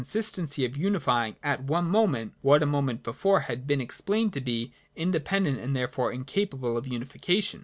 sistency of unifying at one moment, what a moment before had been explained to be independent and there fore incapable of unification.